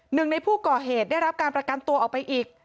หนึ่งในผู้ก่อเหตุได้รับการประกันตัวออกไปอีก